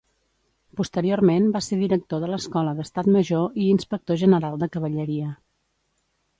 Posteriorment va ser director de l'Escola d'Estat Major i Inspector General de Cavalleria.